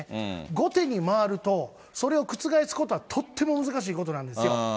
後手に回ると、それを覆すことはとっても難しいことなんですよ。